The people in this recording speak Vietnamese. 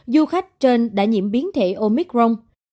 du khách trên đã nhiễm biến thể omicron